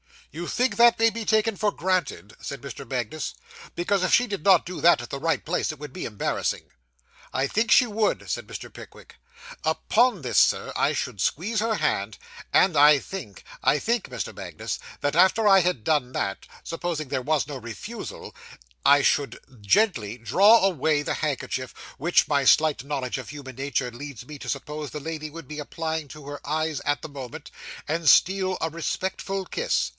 'You think that may be taken for granted?' said Mr. Magnus; 'because, if she did not do that at the right place, it would be embarrassing.' 'I think she would,' said Mr. Pickwick. 'Upon this, sir, I should squeeze her hand, and I think I think, Mr. Magnus that after I had done that, supposing there was no refusal, I should gently draw away the handkerchief, which my slight knowledge of human nature leads me to suppose the lady would be applying to her eyes at the moment, and steal a respectful kiss.